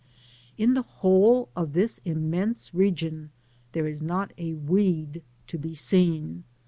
In the whole of this immense region there is not a weed to be seen.